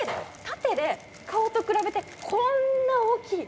縦で顔と比べてこんな大きい！